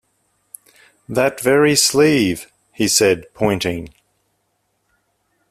"That very sleeve," he said, pointing.